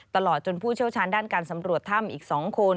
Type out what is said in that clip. ตลอดจนผู้เชี่ยวชาญด้านการสำรวจถ้ำอีก๒คน